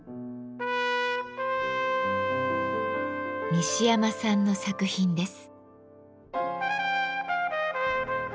西山さんの作品です。